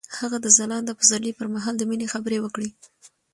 هغه د ځلانده پسرلی پر مهال د مینې خبرې وکړې.